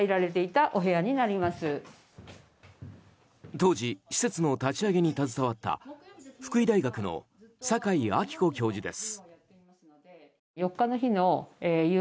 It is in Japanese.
当時、施設の立ち上げに携わった福井大学の酒井明子教授です。